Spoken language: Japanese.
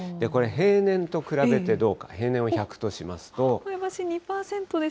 これ、平年と比べてどうか、平年を１００としますと。